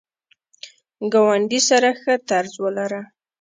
ګاونډي سره ښه طرز ولره